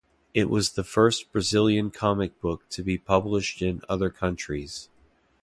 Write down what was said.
It was the first Brazilian comic book to be published in other countries.